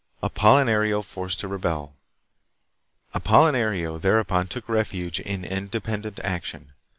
Apolinario Forced to Rebel. Apolinario thereupon took refuge in independent action.